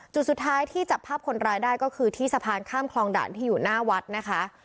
จุดสุดท้ายที่จับภาพคนร้ายได้ก็คือที่สะพานข้ามคลองด่านที่อยู่หน้าวัดนะคะ